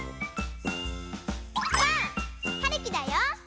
ばあっ！はるきだよ。